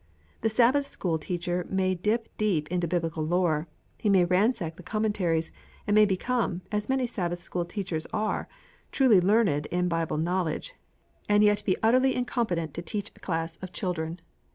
The Sabbath school teacher may dip deep into biblical lore, he may ransack the commentaries, and may become, as many Sabbath school teachers are, truly learned in Bible knowledge, and yet be utterly incompetent to teach a class of children.